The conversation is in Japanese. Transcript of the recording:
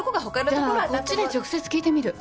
じゃあこっちで直接聞いてみる。